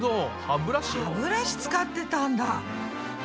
歯ブラシ使ってたんだ。